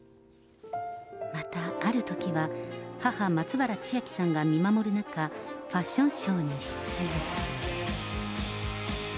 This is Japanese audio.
またあるときは、母、松原千明さんが見守る中、ファッションショーに出演。